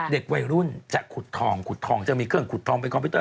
เด็กวัยรุ่นจะขุดทองขุดทองจะมีเครื่องขุดทองเป็นคอมพิวเต